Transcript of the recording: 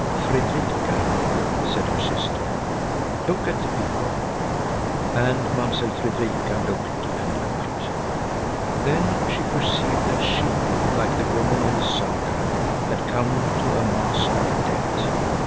"Fredrika," said her sister, "look at the people!" And Mamsell Fredrika looked and looked. Then she perceived that she, like the woman in the saga, had come to a mass of the dead.